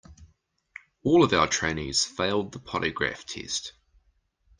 All of our trainees failed the polygraph test.